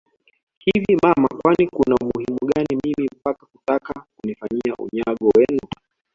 Hivi mama Kwani Kuna umuhimu gani mimi mpaka kutaka kunifanyia unyago wenu